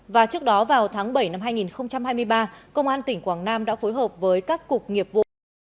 và trước đó vào tháng bảy năm hai nghìn hai mươi ba công an tỉnh quảng nam đã phối hợp với các cục nghiệp vụ